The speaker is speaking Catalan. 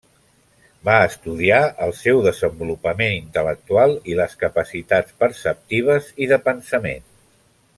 Va estudiar el seu desenvolupament intel·lectual i les capacitats perceptives i de pensament.